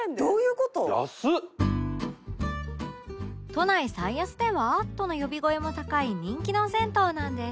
都内最安では？との呼び声も高い人気の銭湯なんです